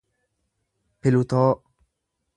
pilutoo